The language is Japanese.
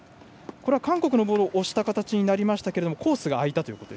これは韓国のボールを押した形になりますがコースが空いたという。